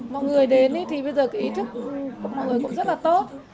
mọi người đến thì bây giờ cái ý thức của mọi người cũng rất là tốt